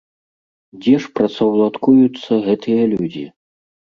Дзе ж працаўладкуюцца гэтыя людзі?